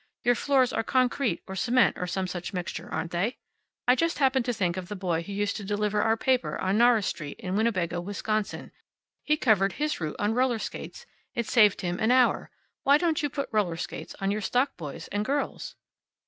Your floors are concrete, or cement, or some such mixture, aren't they? I just happened to think of the boy who used to deliver our paper on Norris Street, in Winnebago, Wisconsin. He covered his route on roller skates. It saved him an hour. Why don't you put roller skates on your stock boys and girls?"